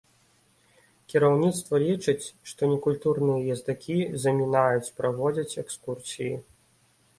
Кіраўніцтва лічыць, што некультурныя ездакі замінаюць праводзіць экскурсіі.